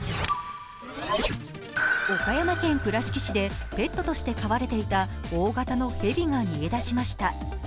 岡山県倉敷市でペットとして飼われていた大型の蛇が逃げ出しました。